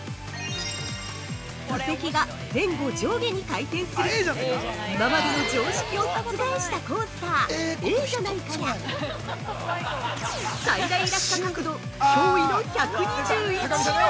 座席が前後上下に回転する今までの常識を覆したコースター「ええじゃないか」や最大落下角度驚異の１２１度！